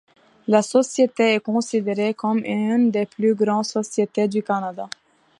La société est considérée comme une des plus grandes sociétés du Canada.